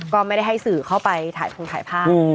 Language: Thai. ก็ไม่ได้ให้สื่อเข้าไปถ่ายภาพ